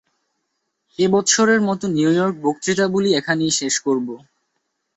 এ-বৎসরের মত নিউ ইয়র্ক-বক্তৃতাবলী এখানেই শেষ করব।